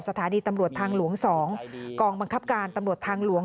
สถานีตำรวจทางหลวง๒กองบังคับการตำรวจทางหลวง